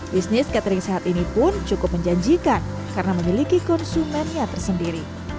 bisnis catering sehat ini pun cukup menjanjikan karena memiliki konsumennya tersendiri